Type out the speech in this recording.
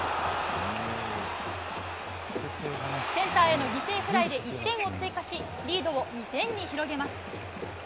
センターへの犠牲フライで１点を追加しリードを２点に広げます。